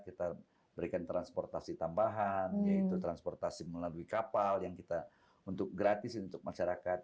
kita berikan transportasi tambahan yaitu transportasi melalui kapal yang kita untuk gratis untuk masyarakat